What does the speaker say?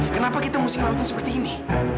kenapa kita mesti ngelawatin seperti ini